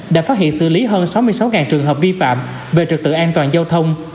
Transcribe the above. đã phát hiện xử lý hơn sáu mươi sáu trường hợp vi phạm về trực tự an toàn giao thông